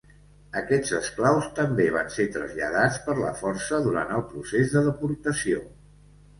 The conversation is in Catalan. Aquests esclaus també van ser traslladats per la força durant el procés de deportació.